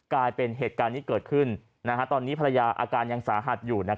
กลายเป็นเหตุการณ์ที่เกิดขึ้นตอนนี้ภรรยาอาการยังสาหัสอยู่